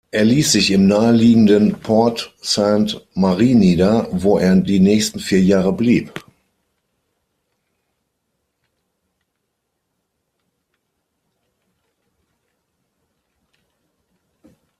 Er ließ sich im naheliegenden Port-Sainte-Marie nieder, wo er die nächsten vier Jahre blieb.